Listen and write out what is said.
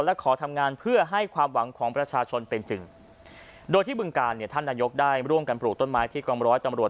และขอทำงานเพื่อให้ความหวังของประชาชนเป็นจริงโดยที่บึงการเนี่ยท่านนายกได้ร่วมกันปลูกต้นไม้ที่กองร้อยตำรวจ